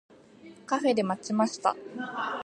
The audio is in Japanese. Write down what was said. カフェで待ちました。